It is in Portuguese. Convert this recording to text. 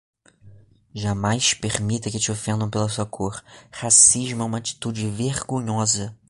Jamais permita que te ofendam pela sua cor, racismo é uma atitude vergonhosa